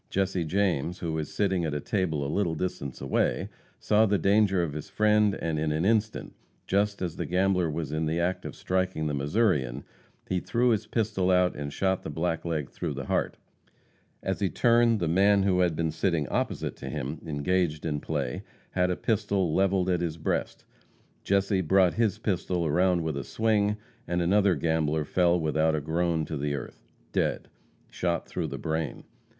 Jesse James, who was sitting at a table a little distance away, saw the danger of his friend, and in an instant, just as the gambler was in the act of striking the Missourian, he threw his pistol out and shot the blackleg through the heart. As he turned, the man who had been sitting opposite to him, engaged in play, had a pistol leveled at his breast. Jesse brought his pistol around with a swing, and another gambler fell without a groan to the earth dead! shot through the brain.